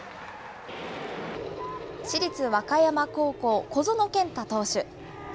市立和歌山高校、小園健太投手。